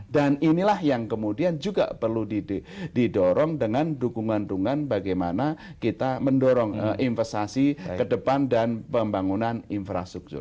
dan inilah yang kemudian juga perlu didorong dengan dukungan dukungan bagaimana kita mendorong investasi ke depan dan pembangunan infrastruktur